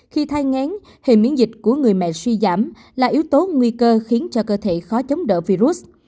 khi thai ngán hệ miễn dịch của người mẹ suy giảm là yếu tố nguy cơ khiến cho cơ thể khó chống đỡ virus